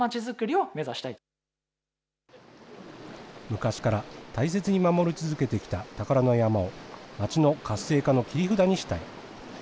昔から大切に守り続けてきた宝の山を、街の活性化の切り札にしたい。